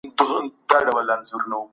سیاست باید د وخت سره سم پرمختګ وکړي.